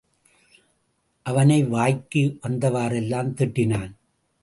அவனை வாய்க்கு வந்தவாறெல்லாம் திட்டினான்.